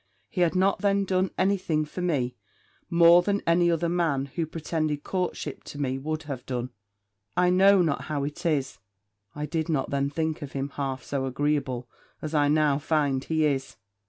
He had not then done any thing for me more than any other man, who pretended courtship to me, would have done. I know not how it is, I did not then think him half so agreeable as I now find he is.